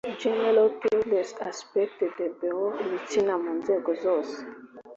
genre tous les aspects de bw ibitsina mu nzego zose